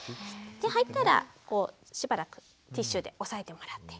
入ったらしばらくティッシュで押さえてもらって。